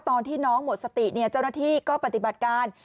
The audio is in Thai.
ตอนที่น้องหมดสติเจ้าหน้าที่ก็ปฏิบัติการ